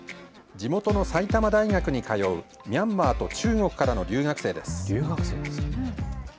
地元の埼玉大学に通うミャンマーと中国からの留学生です。